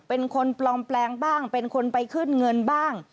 เป็นคนปลอมแปลงบ้างเป็นคนไปขึ้นเงินบ้าง